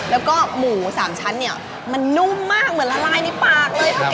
แล้วก็หมูสามชั้นนุ่มมากเหมือนละลายในปากเลย